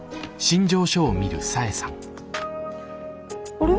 あれ？